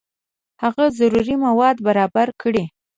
هغه ضروري مواد برابر کړي.